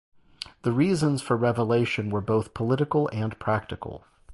The reasons for revelation were both political and practical.